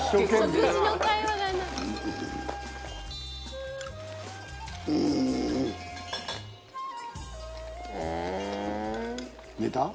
「食事の会話がない」「寝た？」